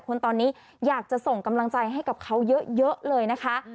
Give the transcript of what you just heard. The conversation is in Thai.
คนตอนนี้อยากจะส่งกำลังใจให้กับเขาเยอะเลยนะคะ